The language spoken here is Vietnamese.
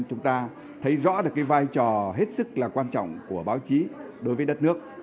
chúng ta thấy rõ được cái vai trò hết sức là quan trọng của báo chí đối với đất nước